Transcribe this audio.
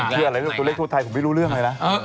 เขียนอะไรได้ตัวเลขทั่วไทยผมไม่รู้เรื่องเลยนะ